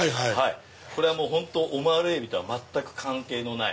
これは本当オマール海老とは全く関係のない。